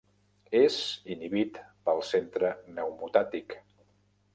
És inhibit pel centre pneumotàctic.